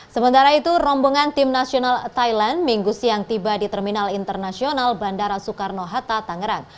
sementara itu rombongan tim nasional thailand minggu siang tiba di terminal internasional bandara soekarno hatta tangerang